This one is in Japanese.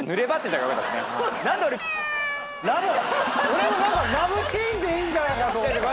俺も「ラブシーン」でいいんじゃないかと。